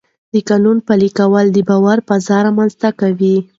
د قانون پلي کول د باور فضا رامنځته کوي